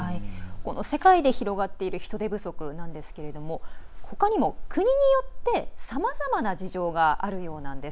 世界で広がっている人手不足なんですがほかにも、国によってさまざまな事情があるようなんです。